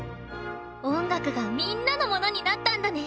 音楽がみんなのものになったんだね！